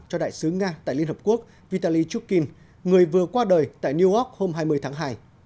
cho đại sứ nga tại liên hợp quốc vitaly chukin người vừa qua đời tại new york hôm hai mươi tháng hai